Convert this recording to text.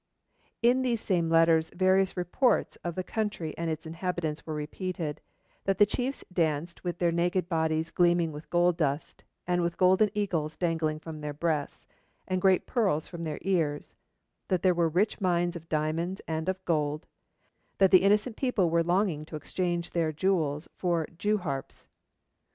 In these same letters various reports of the country and its inhabitants were repeated, that the chiefs danced with their naked bodies gleaming with gold dust, and with golden eagles dangling from their breasts and great pearls from their ears, that there were rich mines of diamonds and of gold, that the innocent people were longing to exchange their jewels for jews harps.